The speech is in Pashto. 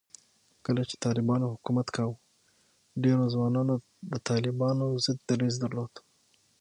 کله چې طالبانو حکومت کاوه، ډېرو ځوانانو د طالبانو ضد دریځ درلود